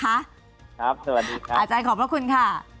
สวัสดีครับอาจารย์ขอบพระคุณค่ะ